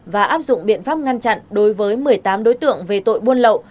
và áp dụng biện pháp ngăn chặn đối với một mươi tám đối tượng về tội buôn lậu